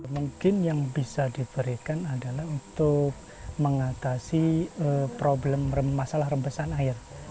mungkin yang bisa diberikan adalah untuk mengatasi masalah rembesan air